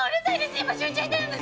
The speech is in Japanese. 今集中してるんです！